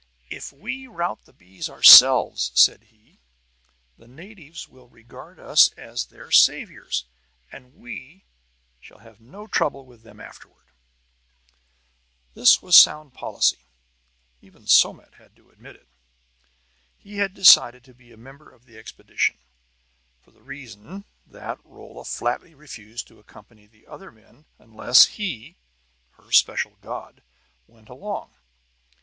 "If we rout the bees ourselves," said he, "the natives will regard us as their saviors, and we shall have no trouble with them afterward." This was sound policy; even Somat had to admit it. He had decided to be a member of the expedition, for the reason that Rolla flatly refused to accompany the other men unless he, her special god, went along.